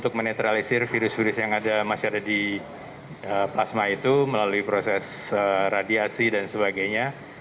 dan mengeletralisir virus virus yang masih ada di plasma itu melalui proses radiasi dan sebagainya